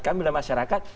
kami adalah masyarakat